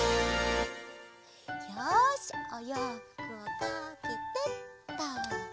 よしおようふくをかけてっと！